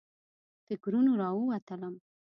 فکرونو راووتلم.